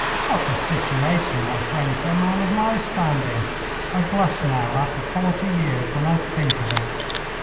What a situation, my friends, for a man of my standing! I blush now, after forty years, when I think of it.